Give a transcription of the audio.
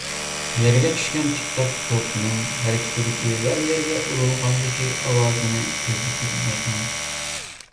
يەرگە چۈشكەن تىكتاك توپنىڭ، ھەرىكىتىدىكى ۋە يەرگە ئۇرۇلغاندىكى ئاۋازىنى كۆزىتىپ بېقىڭ.